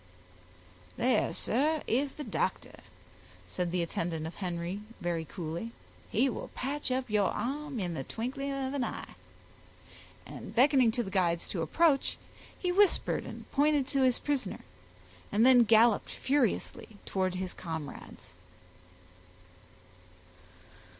"There, sir, is the doctor," said the attendant of Henry very coolly. "He will patch up your arm in the twinkling of an eye"; and beckoning to the guides to approach, he whispered and pointed to his prisoner, and then galloped furiously towards his comrades.